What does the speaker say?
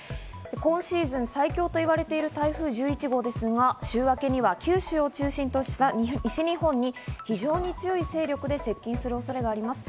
今シーズン最強と言われている台風１１号ですが、週明けには九州を中心とした西日本に非常に強い勢力で接近する恐れがあります。